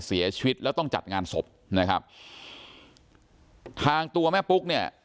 เสียชีวิตแล้วต้องจัดงานศพนะครับทางตัวแม่ปุ๊กเนี่ย